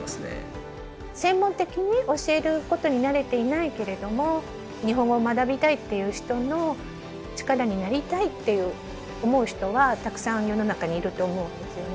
専門的に教えることに慣れていないけれども日本語を学びたいっていう人の力になりたいって思う人はたくさん世の中にいると思うんですよね。